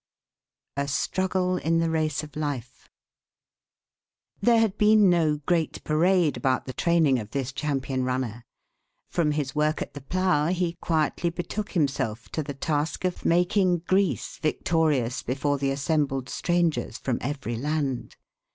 A STRUGGLE IN THE RACE OF LIFE. There had been no great parade about the training of this champion runner. From his work at the plough he quietly betook himself to the task of making Greece victorious before the assembled strangers from every land.